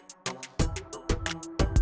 tidak ada yang bisa diberikan